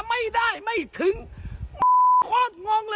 ไม่ได้ไม่ถึง